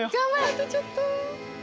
あとちょっと！